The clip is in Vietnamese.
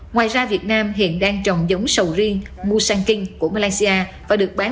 ngoài ra việt nam hiện đang trồng giống sầu riêng musang king của malaysia và được bán